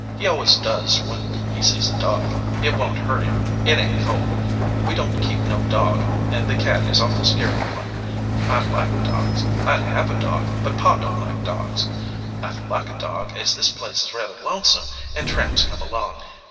"He always does when he sees a dog. It won t hurt him. It ain t cold. We don t keep no dog, and the cat is awful scared of one. I like dogs. I d have a dog, but Pa don t like dogs. I d like a dog, as this place is rather lonesome, and tramps come along.